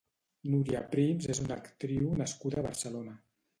Núria Prims és una actriu nascuda a Barcelona.